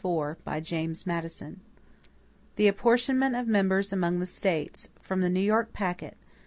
PUBLIUS FEDERALIST No. 54 The Apportionment of Members Among the States From the New York Packet.